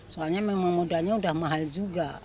soalnya memang modalnya udah mahal juga